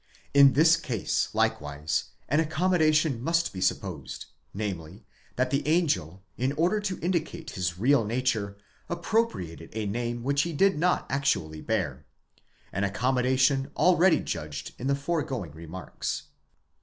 In this case likewise an accommodation must be supposed, namely, that the angel, in order to indicate his real nature, appropriated a name which he did not actually bear: an accommodation already judged in the foregoing remarks.